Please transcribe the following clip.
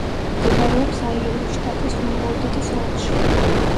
მდებარეობს აიოვის შტატის ჰუმბოლდტის ოლქში.